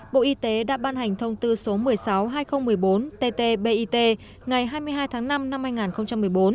bộ y tế đã ban hành thông tư số một trăm sáu mươi hai nghìn một mươi bốn ttbit ngày hai mươi hai tháng năm năm hai nghìn một mươi bốn